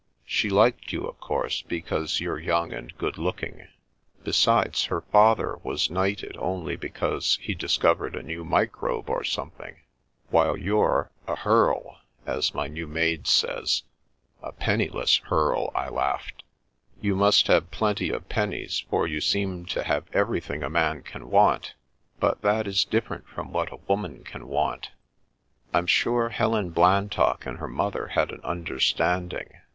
She liked you, of course, because you're young and good looking. Besides, her father was knighted only because he discovered a new microbe or something, while you're a ' hearl,' as my new maid says." A penniless * hearl,' " I laughed. " You must have plenty of pennies, for you seem to have everything a man can want ; but that is dif ferent from what a woman can want. I'm sure Helen Blantock and her mother had an understand ing.